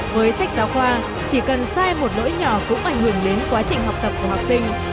với sách giáo khoa chỉ cần sai một nỗi nhỏ cũng ảnh hưởng đến quá trình học tập của học sinh